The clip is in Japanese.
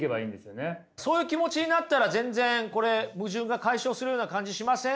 そういう気持ちになったら全然これ矛盾が解消するような感じしません？